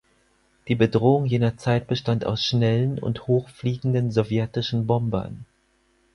Die Bedrohung jener Zeit bestand aus schnellen und hoch fliegenden sowjetischen Bombern.